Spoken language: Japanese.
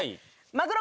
マグロ。